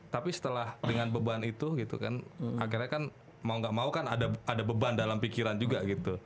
tapi setelah dengan beban itu gitu kan akhirnya kan mau nggak mau kan ada beban dalam pikiran juga gitu